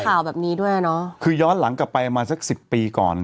ข่าวแบบนี้ด้วยอ่ะเนอะคือย้อนหลังกลับไปประมาณสักสิบปีก่อน